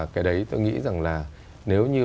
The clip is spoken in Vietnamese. cái đấy tôi nghĩ rằng là nếu như